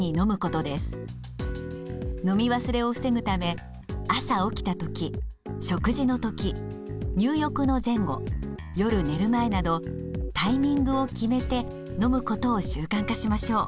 飲み忘れを防ぐため朝起きた時食事の時入浴の前後夜寝る前などタイミングを決めて飲むことを習慣化しましょう。